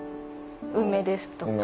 梅ですとか。